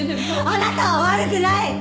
あなたは悪くない！